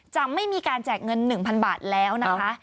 จะไม่มีการแจกเงิน๑๐๐๐บาทแล้วนะคะ